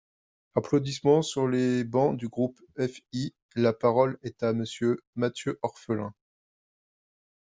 (Applaudissements sur les bancs du groupe FI.) La parole est à Monsieur Matthieu Orphelin.